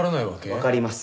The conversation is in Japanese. わかります。